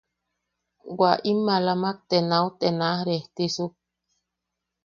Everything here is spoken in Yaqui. Wa im maalamak te nauet te nau restisuk.